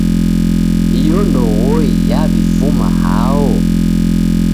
Iyo ndoghoi yaw'ifuma hao?